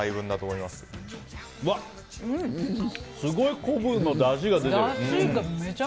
うわ、すごい昆布のだしが出てる。